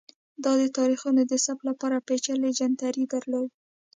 دا د تاریخونو د ثبت لپاره پېچلی جنتري درلوده